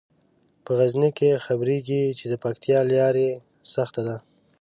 په غزني کې خبریږي چې د پکتیا لیاره سخته ده.